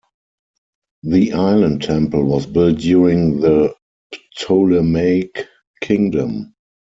The island temple was built during the Ptolemaic Kingdom.